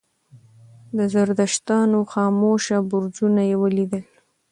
د زردشتانو خاموشه برجونه یې ولیدل.